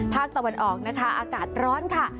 ภาคตะวันออกนะคะอากาศร้อนค่ะ